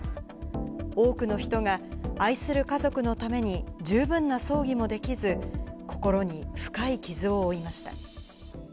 多くの人が愛する家族のために、十分な葬儀もできず、心に深い傷を負いました。